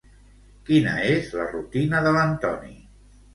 Quina és la rutina de l'Antoni?